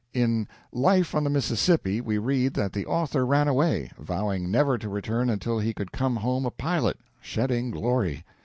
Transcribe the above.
In "Life on the Mississippi" we read that the author ran away, vowing never to return until he could come home a pilot, shedding glory.